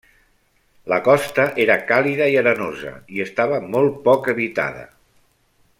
La costa era càlida i arenosa i estava molt poc habitada.